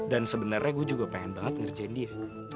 dan sebenernya gue juga pengen banget ngerjain dia